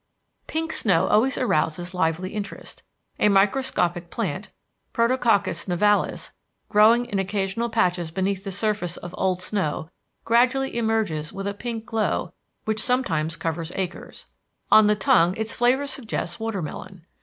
Pink snow always arouses lively interest. A microscopic plant, Protococcus nivalis, growing in occasional patches beneath the surface of old snow gradually emerges with a pink glow which sometimes covers acres. On the tongue its flavor suggests watermelon.